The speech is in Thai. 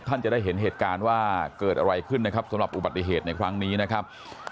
ท่านจะได้เห็นเหตุการณ์ว่าเกิดอะไรขึ้นนะครับสำหรับอุบัติเหตุในครั้งนี้นะครับ